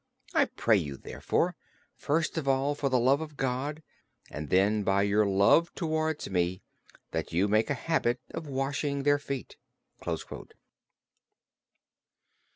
I pray you, therefore, first of all for the love of God, and then by your love towards me, that you make a habit of washing their feet."